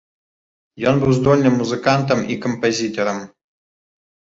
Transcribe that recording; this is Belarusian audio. Ён быў здольным музыкантам і кампазітарам.